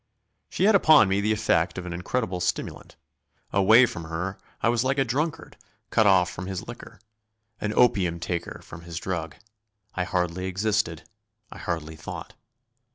She had upon me the effect of an incredible stimulant; away from her I was like a drunkard cut off from his liquor; an opium taker from his drug. I hardly existed; I hardly thought.